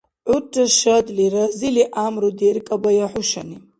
ГӀурра шадли, разили гӀямру деркӀабая хӀушани!